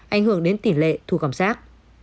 anh hưởng đến tỷ lệ thu công sát